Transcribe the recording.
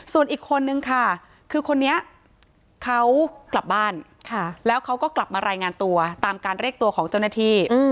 ส่วนอีกคนนึงค่ะคือคนนี้เขากลับบ้านแล้วเขาก็กลับมารายงานตัวตามการเรียกตัวของเจ้าหน้าที่